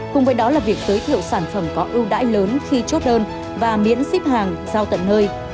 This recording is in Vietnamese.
cùng với đó là việc giới thiệu sản phẩm có ưu đãi lớn khi chốt đơn và miễn xếp hàng giao tận nơi